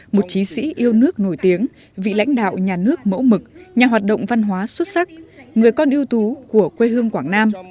một chí sĩ yêu nước nổi tiếng vị lãnh đạo nhà nước mẫu mực nhà hoạt động văn hóa xuất sắc người con ưu tú của quê hương quảng nam